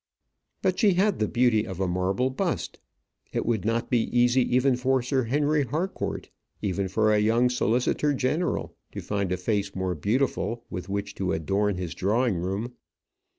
But she had the beauty of a marble bust. It would not be easy even for Sir Henry Harcourt, even for a young solicitor general, to find a face more beautiful with which to adorn his drawing room.